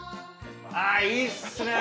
あいいっすねぇ！